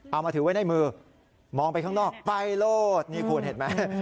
เอามาถือไว้ในมือมองไปข้างนอกไฟโลดนี่คุณเห็นไหม